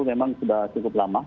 memang sudah cukup lama